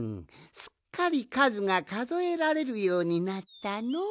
すっかりかずがかぞえられるようになったのう。